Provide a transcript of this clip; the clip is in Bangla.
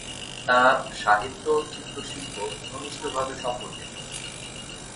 তাঁর সাহিত্য ও চিত্রশিল্প ঘনিষ্ঠভাবে সম্পর্কিত।